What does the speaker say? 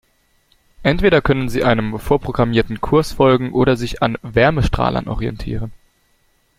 Entweder können sie einem vorprogrammierten Kurs folgen oder sich an Wärmestrahlern orientieren.